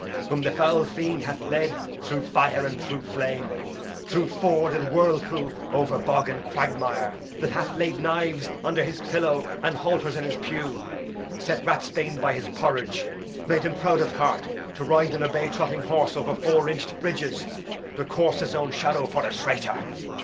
whom the foul fiend hath led through fire and through flame, through ford and whirlpool, o'er bog and quagmire; that hath laid knives under his pillow and halters in his pew, set ratsbane by his porridge, made him proud of heart, to ride on a bay trotting horse over four inch'd bridges, to course his own shadow for a traitor.